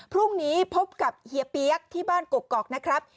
พรุ่งนี้พบกับเฮียเปี๊ยกที่บ้านกกอกนะครับ